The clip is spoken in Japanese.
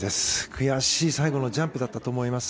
悔しい最後のジャンプだったと思います。